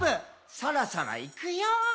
「そろそろいくよー」